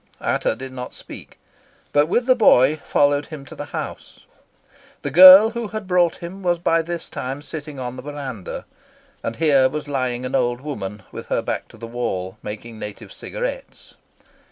Ata did not speak, but with the boy followed him to the house. The girl who had brought him was by this time sitting on the verandah, and here was lying an old woman, with her back to the wall, making native cigarettes.